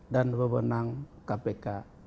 dan memenang kpk